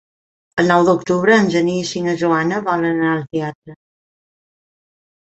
El nou d'octubre en Genís i na Joana volen anar al teatre.